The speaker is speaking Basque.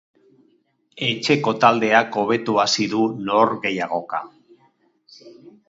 Etxeko taldeak hobeto hasi du norgehiagoka.